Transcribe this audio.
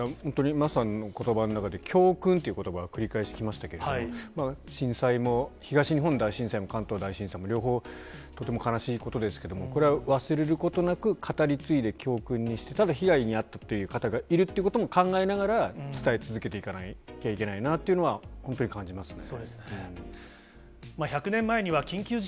桝さんのことばの中で、教訓っていうことばを繰り返し聞きましたけれども、震災も、東日本大震災も関東大震災も両方、とても悲しいことですけれども、これは忘れることなく語り継いで教訓にして、ただ、被害に遭った方がいるということも考えながら、伝え続けていかなきゃいけないなというのは本当に感じますね。